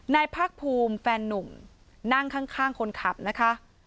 ภาคภูมิแฟนนุ่มนั่งข้างคนขับนะคะ